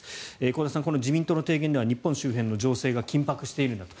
香田さん、この自民党の提言では日本周辺の情勢が緊迫しているんだと。